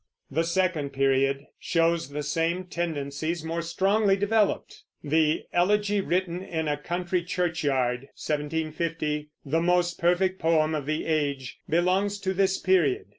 The second period shows the same tendencies more strongly developed. The "Elegy Written in a Country Churchyard" (1750), the most perfect poem of the age, belongs to this period.